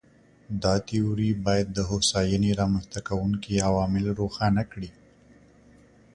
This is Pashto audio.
دا تیوري باید د هوساینې رامنځته کوونکي عوامل روښانه کړي.